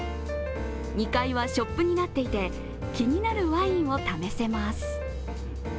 ２階はショップになっていて、気になるワインを試せます。